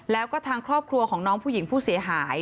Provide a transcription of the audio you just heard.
แล้วก็ทางครอบครัวของน้องผู้หญิงผู้เสียหาย